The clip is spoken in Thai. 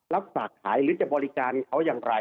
รับฝากขายหรือจะบริการเขาอย่างไร